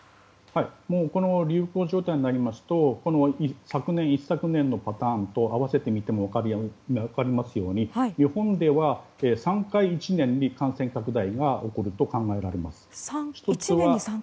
この流行状態になりますと昨年、一昨年のパターンと合わせて見ても分かりますように日本では１年に３回感染拡大が起こると考えられています。